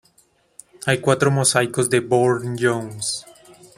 Hay cuatro mosaicos de Burne-Jones.